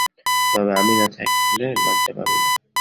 তবে আমি না থাকলে, লজ্জা পাবি না।